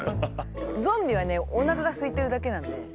ゾンビはねおなかがすいてるだけなんで。